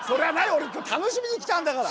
俺今日楽しみに来たんだから！